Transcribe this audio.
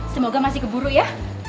semoga masih ke buru ya